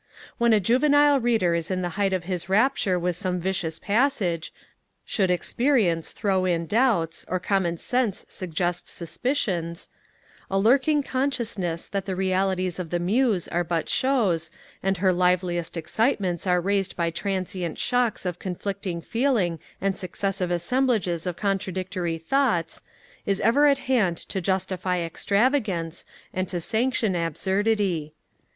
When a juvenile Reader is in the height of his rapture with some vicious passage, should experience throw in doubts, or common sense suggest suspicions, a lurking consciousness that the realities of the Muse are but shows, and that her liveliest excitements are raised by transient shocks of conflicting feeling and successive assemblages of contradictory thoughts is ever at hand to justify extravagance, and to sanction absurdity.